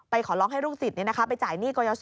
ขอร้องให้ลูกศิษย์ไปจ่ายหนี้กรยศ